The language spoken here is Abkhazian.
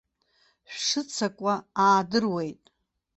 Шәшыццакуа аадыруеит.